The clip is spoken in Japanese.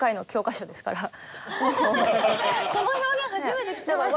その表現初めて聞きました。